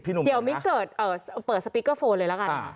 พี่หนุ่มเดี๋ยวมิ้นต์เกิดเอ่อเปิดสปริกเกอร์โฟนเลยแล้วกันอ่า